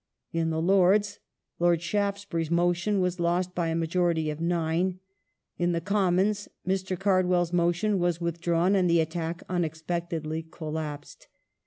In the Lords, Lord Shaftesbury's motion was lost by a majority of 9; in the Commons Mr. Card well's motion was with drawn and the attack unexpectedly collapsed.